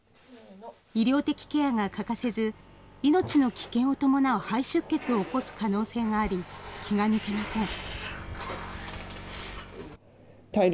医療的ケアが欠かせず、命の危険を伴う肺出血を起こす可能性があり、気が抜けません。